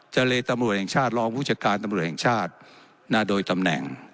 เลตำรวจแห่งชาติรองผู้จัดการตำรวจแห่งชาติโดยตำแหน่ง